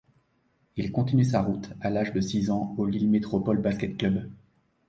Il continue sa route, à l'âge de six ans, au Lille Métropole Basket Clubs.